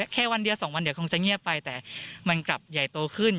แค่วันเดียว๒วันเดี๋ยวคงจะเงียบไปแต่มันกลับใหญ่โตขึ้น